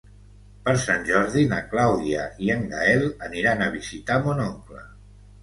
Per Sant Jordi na Clàudia i en Gaël aniran a visitar mon oncle.